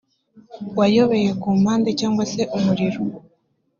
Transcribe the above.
wayobeye ku mpande cyangwa se umuriro